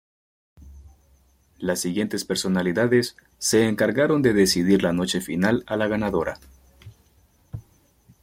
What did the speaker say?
Las siguientes personalidades, se encargaron de decidir la noche final a la ganadora.